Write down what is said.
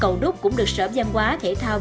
cầu đúc cũng được sở văn hóa thể thao